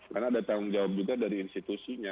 karena ada tanggung jawab juga dari institusinya